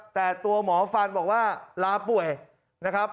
แต่ตัวหมอฟันบอกว่าลาป่วยนะครับ